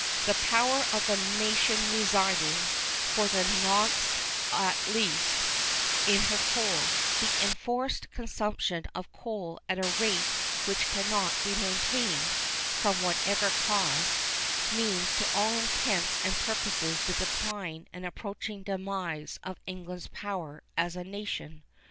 The power of the nation residing—for the nonce at least—in her coal, the enforced consumption of coal at a rate which cannot be maintained (from whatever cause), means to all intents and purposes the decline and approaching demise of England's power as a nation.